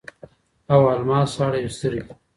او الماس اړوي سترګي